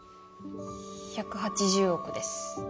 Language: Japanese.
１８０億です。